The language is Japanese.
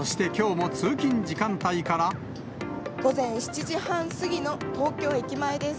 午前７時半過ぎの東京駅前です。